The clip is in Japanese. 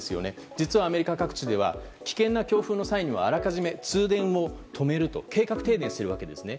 実は、アメリカ各地では危険な強風の際にはあらかじめ通電を止めるという計画停電をするんですね。